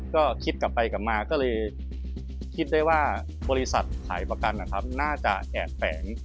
ก็คิดกลับไปกลับมาก็เลยคิดได้ว่าบริษัทขายประกันนะครับน่าจะแอบแฝง